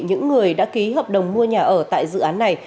những người đã ký hợp đồng mua nhà ở tại dự án này